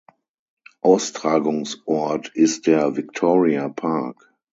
Austragungsort ist der "Victoria Park".